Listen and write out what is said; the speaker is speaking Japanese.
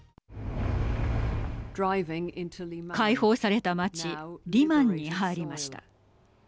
解放された街リマンに入りました。